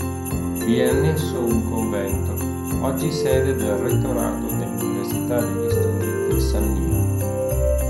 Vi è annesso un convento, oggi sede del Rettorato dell'Università degli Studi del Sannio.